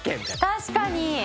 確かに！